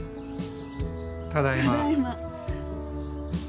ただいま。